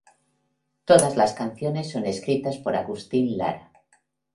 Todas las canciones son escritas por Agustín Lara.